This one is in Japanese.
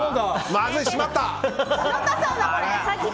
まずい、しまった！